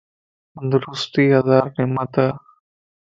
تندرستي ھزار نعمت ا